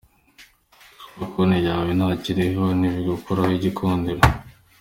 Kuba konti yawe ntakiriho ntibigukuraho igikundiro.